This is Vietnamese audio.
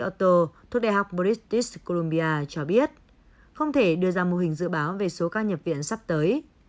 giáo sư sanlin otto thuộc đại học boristit colombia cho biết không thể đưa ra mô hình dự báo về số ca nhập viện sắp tới